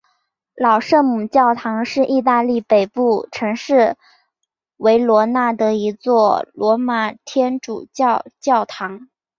老圣母教堂是意大利北部城市维罗纳的一座罗马天主教教堂。